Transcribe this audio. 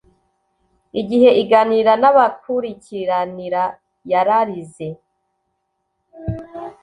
IGIHE iganira n'abakurikiranira yararize